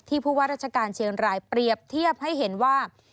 ผู้ว่าราชการเชียงรายเปรียบเทียบให้เห็นว่า